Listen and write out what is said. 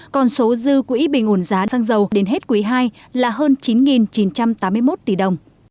còn số dư quỹ bình ổn giá sang giàu đến hết quỹ hai là hơn chín chín trăm tám mươi một tỷ đồng